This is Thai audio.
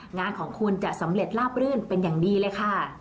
งานของคุณจะสำเร็จลาบรื่นเป็นอย่างดีเลยค่ะ